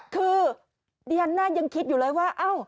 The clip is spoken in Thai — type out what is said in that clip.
คือดิฉันน่ายังคิดอยู่เลยว่า